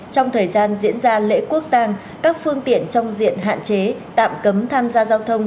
trong thời gian diễn ra lễ quốc gia các phương tiện trong diện hạn chế tạm cấm tham gia giao thông